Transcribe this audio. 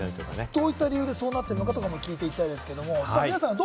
どういった理由でそうなってるのかとかも聞いていきたいと思いますけど。